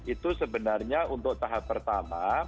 itu sebenarnya untuk tahap pertama